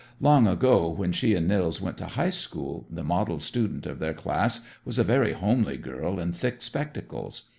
Long ago, when she and Nils went to high school, the model student of their class was a very homely girl in thick spectacles.